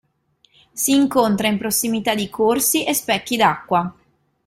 Si incontra in prossimità di corsi e specchi d'acqua.